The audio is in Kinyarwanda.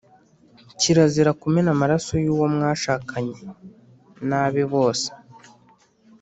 kirazira kumena amaraso y’uwo mwashakanye n’abe bose